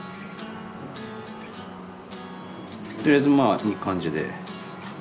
とりあえずまあいい感じで。